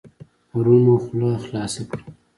پرون مو خوله خلاصه کړه.